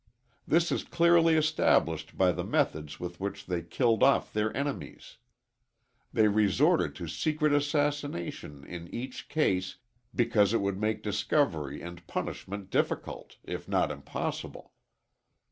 This is clearly established by the methods with which they killed off their enemies. They resorted to secret assassination in each case because it would make discovery and punishment difficult, if not impossible.